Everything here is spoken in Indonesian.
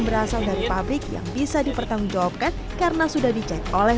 berasal dari pabrik yang bisa dimakan oleh orang lain dan juga bahkan menggunakan nitrogen cair yang